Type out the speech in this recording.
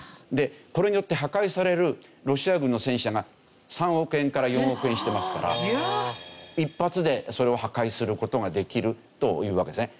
これによって破壊されるロシア軍の戦車が３億円から４億円してますから１発でそれを破壊する事ができるというわけですね。